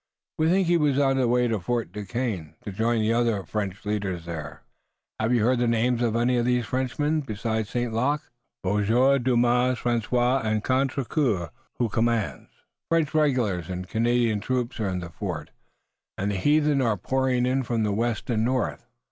We think he was on the way to Fort Duquesne to join the other French leaders there." "Have you heard the names of any of these Frenchmen?" "Besides St. Luc there's Beaujeu, Dumas, Ligneris and Contrecoeur who commands. French regulars and Canadian troops are in the fort, and the heathen are pouring in from the west and north."